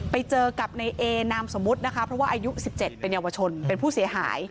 ไปเจอกับในเอนามสมมุตินะคะเพราะว่าอายุ๑๗เป็นเยาวชนเป็นผู้เสียหาย